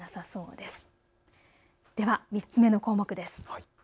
では３つ目の項目です。